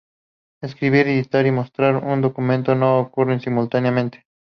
Escribir, editar, y mostrar un documento no ocurren simultáneamente.